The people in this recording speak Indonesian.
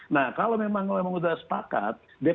nah kalau memang sudah sepakat